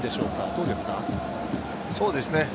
そうですね。